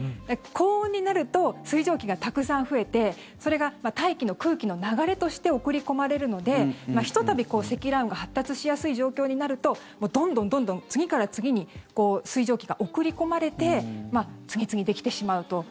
高温になると水蒸気がたくさん増えてそれが大気の空気の流れとして送り込まれるのでひとたび積乱雲が発達しやすい状況になるとどんどんどんどん、次から次に水蒸気が送り込まれて次々できてしまうと。